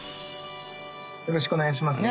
よろしくお願いします